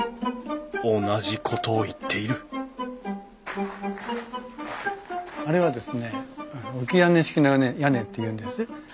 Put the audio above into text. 同じことを言っているあれはですね置き屋根式の屋根っていうんです。